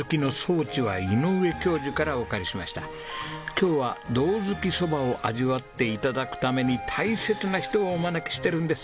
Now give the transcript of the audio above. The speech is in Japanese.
今日は胴搗き蕎麦を味わって頂くために大切な人をお招きしてるんです。